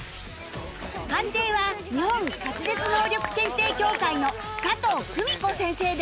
判定は日本滑舌能力検定協会の佐藤くみこ先生です